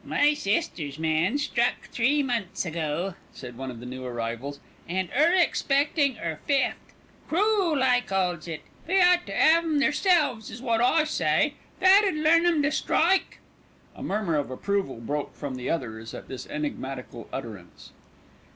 "My sister's man struck three months ago," said one of the new arrivals, "and 'er expectin' 'er fifth. Crool I calls it. They ought to 'ave 'em theirselves is wot I say. That'ud learn 'em to strike." A murmur of approval broke from the others at this enigmatical utterance.